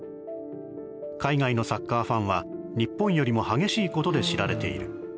海外のサッカーファンは日本よりも激しいことで知られている。